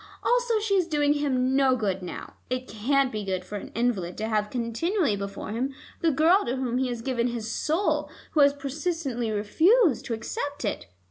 Also, she is doing him no good now. It can't be good for an invalid to have continually before him the girl to whom he has given his soul, who has persistently refused to accept it.